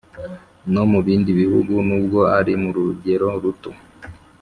no mu bindi bihugu, nubwo ari mu rugero ruto